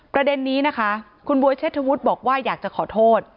ประเด็นนี้นะคะคุณบ๊วยเชษฐวุฒิบอกว่าอยากจะขอโทษ